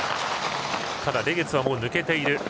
ただ、レゲツは抜けている。